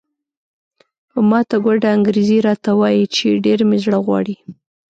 په ماته ګوډه انګریزي راته وایي چې ډېر مې زړه غواړي.